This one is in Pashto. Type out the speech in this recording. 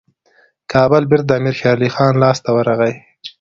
کابل بیرته د امیر شېرعلي خان لاسته ورغی.